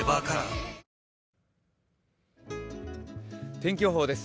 天気予報です。